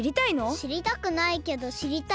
しりたくないけどしりたい。